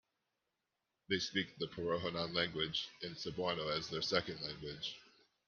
They speak the Porohanon language, and Cebuano as their second language.